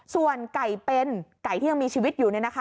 ส่วนไก่เป็นไก่ที่ยังมีชีวิตอยู่